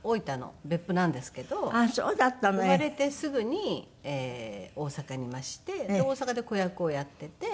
生まれてすぐに大阪にいまして大阪で子役をやっていて。